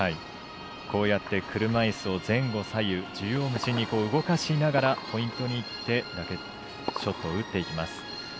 こうやって車いすを前後左右縦横無尽に動かしながらポイントにいってショットを打っていきます。